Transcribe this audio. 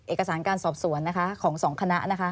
เอกสารการสอบสวนนะคะของสองคณะนะคะ